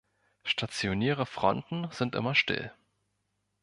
Stationäre Fronten sind immer still.